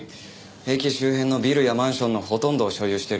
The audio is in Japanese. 駅周辺のビルやマンションのほとんどを所有してるようです。